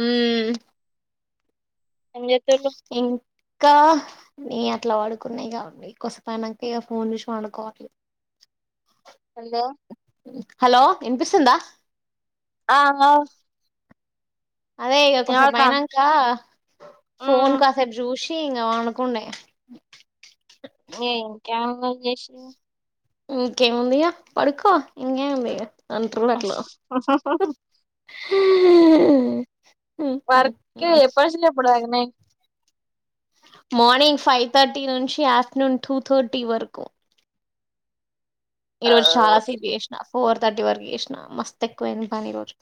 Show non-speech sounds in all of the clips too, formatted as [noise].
ఉం Enz ఇంకా నీ అట్లా పడుకున్నా ఇగ నీ కొసేపానంక ఇగ ఫోన్ చూసి పడుకోవాలి హలో వినిపిస్తుందా ఆ అ అదే ఇక కొసేపైనంక ఫోన్ మ్మ్ కాసేపు చూసి చూసి ఇంగానుకుండే ఏ ఇంకానుచేశే ఇంకే ఉంది ఇగ పడుకో ఇంకెం ఉంది ఇగ అంటరు అట్లా వర్క ఎప్పనుంచిల్లి ఎప్పడిదాకనే మార్నింగ్ ఫైవ్ థర్టీ నుంచి ఆఫ్టర్నూన్ టూ థర్టీ వరకు ఈ రోజు చాలా సేపు చేసిన ఫోర్ తర్టీ వరకు చెసినా మస్త ఎక్కువైంది పనీ ఈ రోజు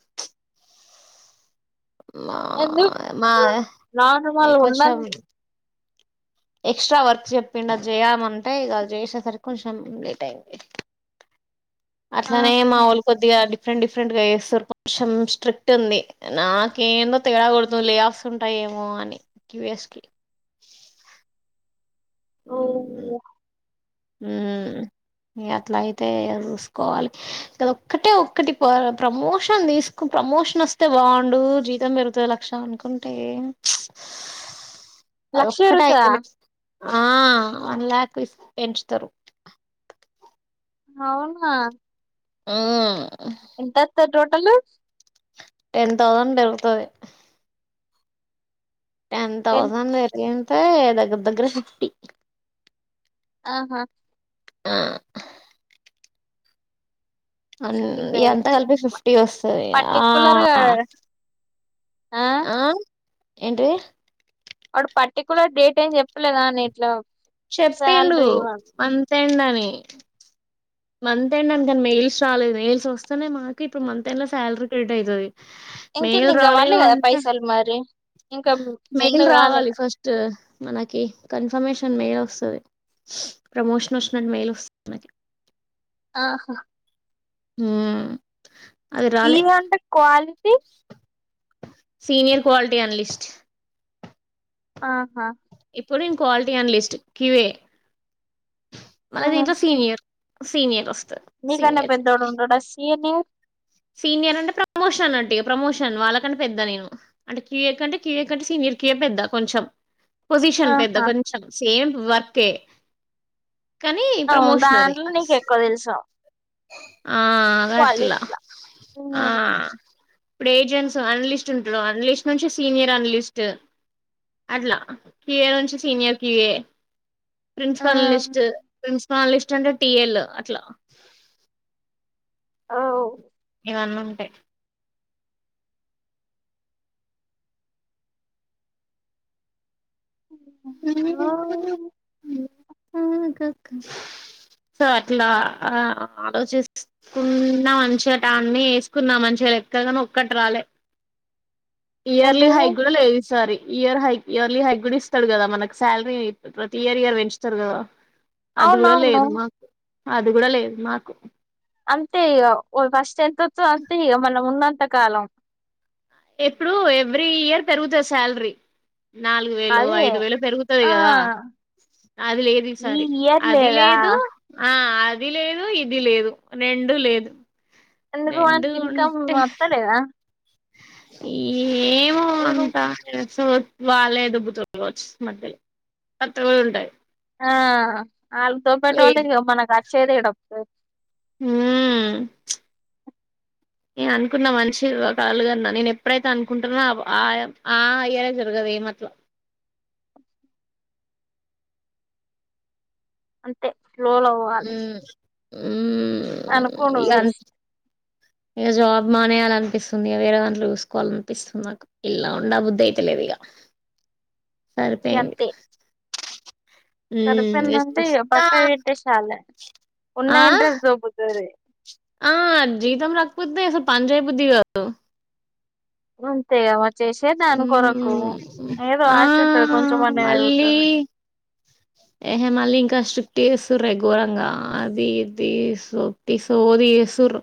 మా మా ఎందుకు ఇగ నార్మల్ కొంచెం ఉన్నాను ఎక్స్ట్రా వర్క్ చెప్పిం అది చేయమంటే ఇక చేసేసరికి కొంచెం లేట్ అయింది అట్లనే మా ఆహా ఓళ్లు కొద్దిగా డిఫరెంట్ డిఫరెంట్గా చేస్తారు కొంచెం స్ట్రిక్ట్ ఉంది నాకు ఏందో తిగడాకూడదు లే ఆఫ్స్ ఉంటాయ ఏమో అని క్యవిఎస్ కి ఓ ఉమ్ ఉ అట్లా అయితే చూసుకోవాలి కద ఒక్కటే ఒక్కటి ప్రమోషన్ తీసుకు ప్రమోషన్ వస్తే బాగుండు జీతం పెరుగుతుంది లక్ష అనుకుంటే లక్ష అదొక్కటే పైరుతా అయితలేదు ఆ వన్ ల్యాక్ ఇస్త పెంచుతారు అవునా ఆ అంతత్తయ్ ట్రో హలో టెన్ థౌసండ్ పెరుగుతది టెన్ తౌసండ్ పెరిగిన్ అ ఏదగ్గర దగ్గర టి ఆహా ఆ అ ఎంతా పెరుగుతది కలిపి ఫిఫ్టీ వస్తుంది ఆ పర్టిక్యులర్ గా ఆ ఏంటిది అడు పర్టికులర్ డేట్ ఏం చెప్పలేదాని ఇట్లా చెప్పిండు శాలరీ మంతెండని మంత్ ఎండ్ అని కానీ మెయిల్స్ రాలేదు మెయిల్స్ వస్తేనే మాకు ఇప్పుడు మంత్ ఎండ్ లో శాలరీ క్రెట్ అవుతుంది ఇంకేంది ఇంకా వర్లే కదా పైసలు మరి ఇంకా మెయిల్ ఎండు కాలే రావాలి ఫస్ట్ మనకి కన్ఫర్మేషన్ మెయిల్ వస్తుంది ప్రమోషన్ వచ్చినట్టు మెయిల్ వస్తుంది మనకి ఆహా ఉమ్ ఈ మంత్ కి క్యూ సీనియర్ క్వాలిటీ అనలిస్ట్ ఆహా డిన్ క్వాలిటీ అనాలస్ట్ క్యుఎ మన దైతే సీనియర్ సీనియర్ వస్తు మీ కన్న పెద్దోలుంటార సీని సీనియర్ అంటే ప్రమోషన్ అంటటు ప్రమోషన్ వాళ్ళకంటే పెద్దా నేను అంటే క్యూఏ కంటే క్యూఏ కంటే సీనియర్ క్యూఏ పెద్దా కొంచెం పొజిషన్ పెద్ద ఆహా కొంచెం సేమ్ వర్కే కానీ అ ప్రమోషన్ అది దాంట్లో నీకు ఎక్కువ తెలుసా ఆ గట్ల ఆ ఇప్పుడు ఏజెంట్స్ అనలిస్ట్ ఉంటాడు అనలిస్ట్ నుంచి సీనియర్ అనలిస్ట్ అట్లా క్యూఏ నుంచి senior QA principal analyst prince call list అంటే టీఎల్ అట్లా అవు ఇవన్నుంటయ్ ఆ ఇంకొక సో అట్లా ఆ ఆలోచిస్తుకున్న మంచిగా టాన్ని ఏసుకున్నా మంచిగా ఎక్కగని ఒక్కటి రాలే ఇయర్లీ ఏంటిది హైక్ కూడా లేదు ఈ సారి ఇయర్ హై ఇయర్లీ హైక్ గుడ ఇస్తడు కదా మనకు శాలరీ ప్రతి ఇయర్ ఇయర్ పెంచుతారు కదా అది కూడాలే అవునవును ఏదమా అది కూడా లేదు నాకు అంతే ఇక ఫస్ట్ ఎంత వతదో అంతే ఇక మనం ఉన్నంతకాలం ఎప్పుడు ఎవ్రీ ఇయర్ పెరుగుతది శాలరీ నాలుగు వేలు అదే ఐదు వేలు పెరుగుతది ఆ కదా అది లేదు ఈ ఈసారి ఇయర్ అది లేదా లేదు ఆ అది లేదు ఇది లేదు రెండు లేదు అందున్ ఆన్ ఇన్కమ్ అతలేద ఈ ఏమో లేదు అంత టె సో వాళ్ళే దుబ్బు తలుకావచ్చు మధ్యలో అతూ ఉంటాయ్ ఆ ఆళ్ తోపేటోల్ ఇగ మనకు అ చేదేడప్ ఏ ఊ నేను అనుకున్నా మనిషి ఒక అలుగన్నా నేను ఎప్పుడైతే అనుకుంటనో అబ ఆయ ఆ ఇయరే జరగదు ఏమట్ల అంతే ఊ ఉ అనుకో నువే ఇక జాబ్ మానేయాలి అనిపిస్తుంది ఇగ వేరే దాంట్లో చూసుకోవాల అనిపిస్తుంది నాకు ఇల్ల ఉండ బుద్ధి అయితలేదు ఇగ సరిపోయింది హ్మ్ సర్పేన్ దంటే ఇగ చూస్తా పక్కా పెడ్ట్టేశాలే ఉన్న ఆ ఇంట్రెస్ దొబ్బుతది ఆ జీతం రాక్తెపోతె అసల్ పన్ జేయ బుద్ది గాదు అంతేగా మరి చేసేది అని కొరకు మ్మ్ ఏదో ఆ ఆశ ఉంటదు కొంచెంమన్న మళ్ళీ ఏరుగుతదని కన్ స్ట్రక్ట్ ఏసురే గోరంగా అది ఇది సుటి సోది చేసురు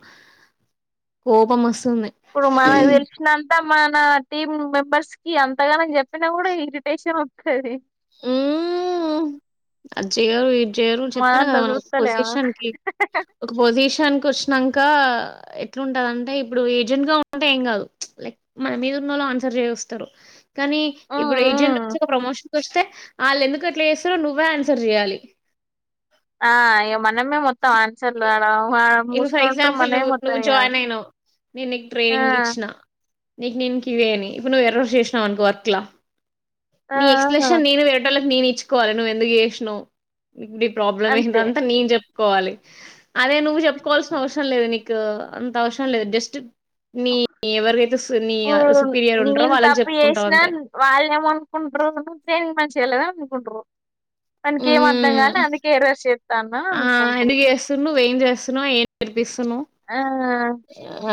కోపం వస్ ఇప్పుడు మనం తెలిషి నం అ మన టీమ్ మెంబర్స్ కి అంతగానం చెప్పినా కూడా ఇరిటేషన్ ఒస్తది మ్ అజికారు ఇ జరు చెప్తాన మనంత కదా మనం ఒక చూత్తలేమా పొజిషన్ కి ఒక పొజిషన్ కి వచ్చ నంకా ఎట్లాంటది అంటే ఇప్పుడు ఏజెంట్ గా ఉంటే ఏం కాదు లైక్ మన మీద ఉన్నోళ్ళు ఆన్సర్ చేస్తారు కనీ ఉ ఇప్పుడు ఏజెంట్ ఉ ప్రమోషన్ ఒస్త ఆళ్ళు ఎందుకు ఎట్లా చేస్తారు నువ్వు వ్వె ఆన్సర్ చేయాలి ఆ ఇవ మ మనమే మొత్తం ఆన్సర్లు వాడ ఇప్పుడు ఫర్ మూసుకొనుంట్రు ఎగ్జాంపుల్ మనమే నువ్వు మొత్తం నువ్వు జాయిన్ ఇయ్యాలి అయినావు నేను నీకు ఆ ట్రైనింగ్ ఇచ్చిన నీకు నేనుకివేనిక ఇప్పు నువ్వు ఎర్రర్స్ చేసినావు అట్ల ఆ నీ ఆ ఎక్స్ప్లెషన్ నేను వేరేటోలక్ నేను ఇచ్చుకోవాలి నువ్వ్ ఎందుకు చేశ్నవ్ ని ప్రాబ్లమ్ అంతే ఏందంటె నేన్ చెప్ కోవాలి అదే నువ్వు చెప్పుకోవాల్సిన అవసరం లేదు నీకు అంత అవసరం లేదు జస్ట్ నీ ఎవరికైతే సు- నీ ఇప్పుడు సుపీరియర్ ఉంటారో నేను వాళ్ళకి తప్పు చెప్పుకుంటావు చేసినా అంతే వాళ్ళ ఏమ అనుకుంట్ర నేను మంచి చేలే నుకుంట్రు ఉం చేత్తాన్నా ఆ అనుకుంట్రు ఎదిగ చేస్తు నువ్వు ఏం చేస్తున్నావు్ ఏం నేర్పిస్తున్నా్ ఆ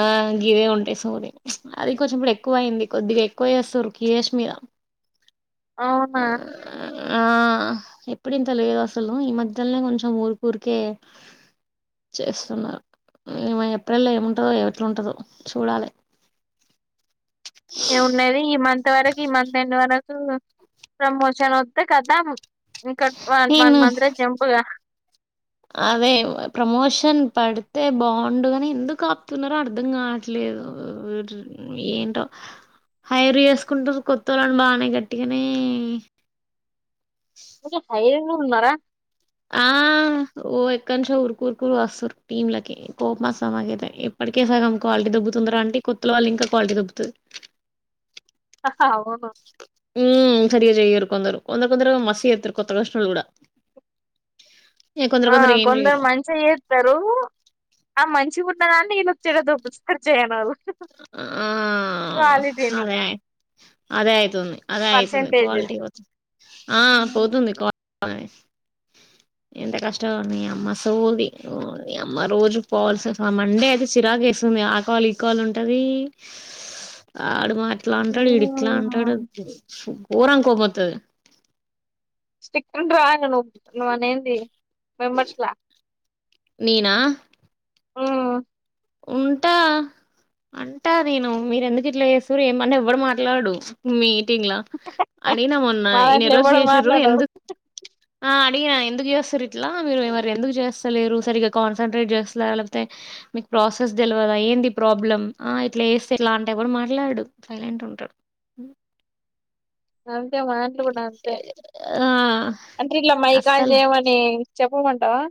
ఆ గివే ఉంటయి సోది అది కొంచెం ఇప్పుడు ఎక్కువ అయింది కొద్దిగా ఎక్కువ చేేస్తారు కియష్ మీద అవునా ఆ ఎప్పుడు ఇంత లేదు అసలు ఈ మధ్యల్నే కొంచెం ఊరుకఊరికే చేస్తున్నారు ఎప్రిల్లో ఏముంటందో ఎట్లా ఉంటదో చూడాలి ఏమున్నది ఈ మంత్ వరకి మంతెండ్ మనకు ప్రమోషన్ ఒత్తె కతం ఇంకా వాళ్లు వన్ నేను మంత్ రే జంపుగా అదే ప్రమోషన్ పడితే బాగుండుగాని ఎందుకు ఆపుతున్నారో అర్ధం కావట్లేదు ఏంటో హైర్ చేసుకుంటారు కొత్తోల్లని బానే గట్టిగానే కొంచెం హైయ్య ఉన్నారా ఆ ఓ ఎక్క నుంచో ఉరుకురుకురు వస్తారు టీంలకి కోపం వస్తాది మాకైతే ఇప్పటికే సగం క్వాలిటీ దొబ్బుతుందిర అంటే కొత్తల వాళ్ళు ఇంకా క్వాలిటీ దొబ్బుతది ఓ ఊ సరిగా చేయరు కొందరు తొందరుతొందరుగ మస్తు చేత్తారు కొత్తగా వచ్చనొళ్లు కూడా ఆ కొందరు మంచిగ చేత్తారు ఆ మంచిగా ఉన్నదాన్ని వీళ్లు లొచ్చి చెడ దొబ్బుతారు చేయనోళ్లు ఆ అదే అదే అయితుంది అదే అయితుంది పర్సంటేజ్ క్వాలిటీ [inaudible] ఆ పోతుంది క్వాల అని ఎంత కష్టం మీ అమ్మ సోది మీ అమ్మ రోజు పోవాల్స [inaudible] ఆ మండే అయితే చిరాక వేస్తుంది ఆ కాలు ఈ కాలు అం ఉంటది ఆడ మా ఇట్లా అంటాడు ఇడు ఇట్లా అంటాడు ఊరం కోపోతుదు స్ రాంగ్ నువ్వు నువ్వు ఏంది నినా ఉంటా అంటా నేను మీర ఎందుకు ఇట్లా చేస్తరు ఏమన్నా ఎవ్వడు మాట్లాడు మీ టింగ్ లా అడిగినా మోనా మా ఇనా దాంట్లో ఎధో ఎవడు చేయిన్రు మాట్లాడరు ఎందు ఆ అడిగిన ఎందుకు చేస్తారు ఇట్లా మీరు మరి ఎందుకు చేస్తలేరు సరిగ్గా కాన్సన్ట్రేట్ చేస్తారా లేకపోతే ప్రాసెస్ తెల్వదా ఏంది ప్రాబ్లమ్ ఆ ఇట్లా ఏస్తే ఎట్లా అంటే కూడా మాట్లాడ్డు సైలెంట్ ఉంటాడు అంతే మా దాంట్లో కూడా అంతే ఆ అంటే ఇట్లా మై కాల్ అస్సలు చేయమని చెప్ పోమంటావా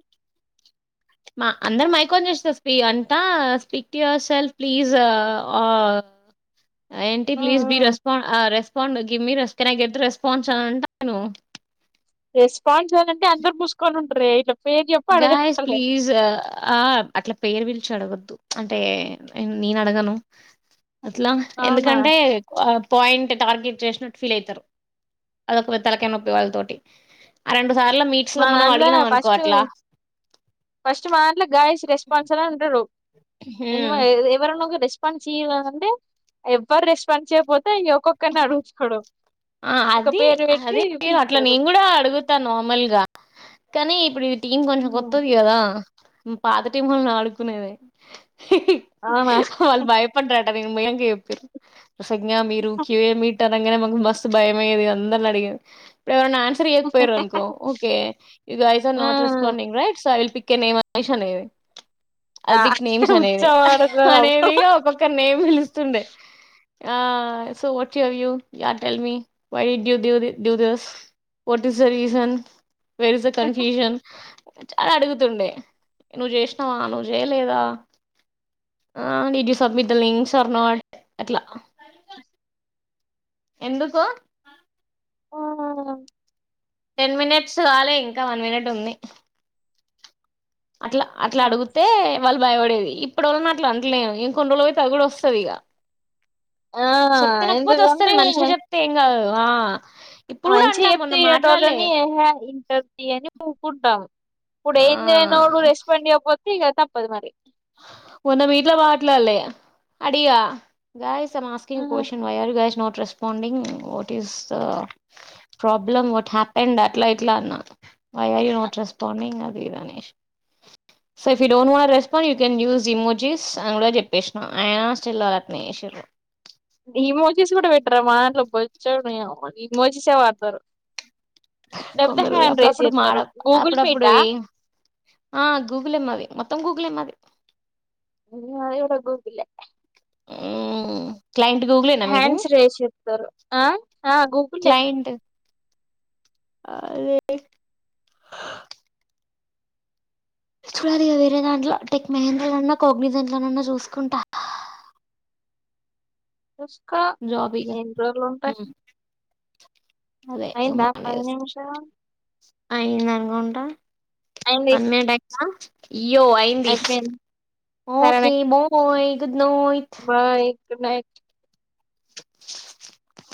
మా అందరు మైకోన్ చేస్తారు స్పీ అంతా speak to yourself please ఏంటి please be respond respond give me నాతే రెస్పాండ్ంట నేను రెస్పాన్స్ ఏాలంటే అందరు మూసుకొని ఉం రే గాయస్ ప్లీజ్ ఆ అట్లా పేరు పిలిచి అడగోధు అంటే నేను అడగను అట్లా అవునా ఎందుకంటే ఆ పాయింట్ టార్గెట్ చేసినట్టు ఫీల్ అవుతారు అదొక తలక నొప్పి వాళ్ళ తటి ఆ రెండు సార్ల మీట్స్ లో మా మనం దాంట్లో అడిగినం అనుకో ఫస్ట్ అట్లా ఫస్ట్ మా ఇట్లా గాయస్ రెస్పాన్స్ అలా ఉంటారు ఎమ్ హ్మ్. ఎవరు కారు రెస్పాండ్ చేయంటే ఎవరు రెస్పాండ్ చేయపో ఆ ఒక అది పేరు పెట్టి అదే అట్లా పిలుస్తాడు నేను కూడా అడుగుతాను నార్మల్గా కనీ ఇప్పుడు టీం కొంచెం కొత్తది కదా ఉమ్ పాత టీమ్ వాలని ఆడుకునేద ఆ మా మంగయ వప్పురు ప్రసంగ మీరుూకియే మీ ఇంటర్ అనెగాన్ మాకు మస్త భయమేదు అంద అడిగ ఆన్సర్ ఏకు పోయను ఓకే ఇది ఐస్ నాట్ ఆ రెస్పాంంగ్ రైట్ సో ల్ పక్ కనే మషానే ఆ అల్పిిక్ నేమ్స్ అనేది ఉచ్చవాడకు అనేదిగా ఒక్కొక్క నేమ్ పిలుస్తుండే సో వట్ హ ట దస్ వ is the reason where is the confusion చాలా అడుగుతుండే నువ్వు చేసినావా నువ్వు చేయలేదా ఆ నీ జ్యూసమిద్దల్నింగ్ సర్న అట్లా ఎందుకు ఆ టెన్ మినిట్స్ వాాలి ఇంకా వన్ మినిట్ ఉంది అట్లా అట్లా అడిగితే వాళ్ళు భయపడేది ఇప్పటి వళ్ళన అట్లా అంటలేను ఇంకొన్ని రోళు పోయి తది కూడా వస్తుది ఇక ఆ చెప్తేనకపోతే ఎందుకంటే వస్తుంది మంచిగా చెప్తే ఎమ్ కధు ఆ ఇప్పుడు కూడా మంచిగా అంటాం మొన్న చెప్త్యా మాట్లాడలే ఎనెటోలన్ ఏహే ఇంటర్ అని ఊకుంటాం ఇప్పుడు ఆ ఏంనడు రెస్పాండ్ అయపోతు ఇగ తప్పదు మరి ఉన్న మీీట్ల బట్లాాలే అడిగా గా మాస్కింగ్ కోన్ వగా న ర యూ కెన్ యూస్్ ఇమోజెస్ అని కూడా చెప్పేసినాం ఆయన స్టిల్ ఈమోజీస్ కూడా పెట్టరా మాంట్లు బొచ్చాన్నా ఇమోజీసే వాడతారు లేకపోతే కొందరు హ్యాండ్ రేస్ అప్పుడప్పుడు మాడ చేస్తారు గూగుల్ అప్పుడప్పుడు మీటా ఆ గూగుల్ ఏమది మొత్తం గూగుల్ ఏమది ఇవడ పోవలే ఓ హ్యాండ్స్ రేస్ చెప్తారు ఆ గూగుల్ క్లయింట్ అదే చూడాలి ఇక వేరే దాంట్లో టెక్ మహేంద్రలన్నా కోగ్నీ దాంట్లోనన్నా చూసుకుంటా అస్ ఇకా జాబ్ ఇక ఎన్ని రోజులు ఉంటాయి ఉమ్, అదే అయిందా పది నిమిషం అయింద అనుగాంట అయింది పన్నెడుయి ఇయో అయింది అయిపోయింది సరే నెక్స్ట్ నయ బాయ్ గుడ్ నైట్